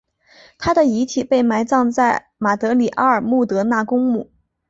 她的遗体被埋葬在马德里阿尔穆德纳公墓。